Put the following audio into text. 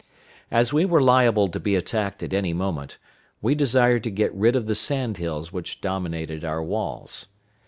As we were liable to be attacked at any moment, we desired to get rid of the sand hills which dominated our walls.